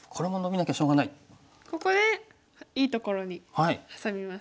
ここでいいところにハサみます。